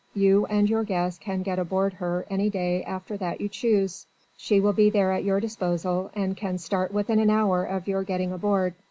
You and your guests can get aboard her any day after that you choose. She will be there at your disposal, and can start within an hour of your getting aboard.